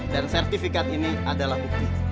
dan sertifikat ini adalah bukti